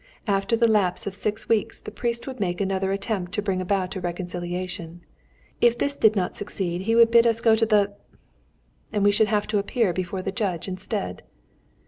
After the lapse of six weeks the priest would make another attempt to bring about a reconciliation; if this did not succeed, he would bid us go to the ! and we should have to appear before the judge instead!"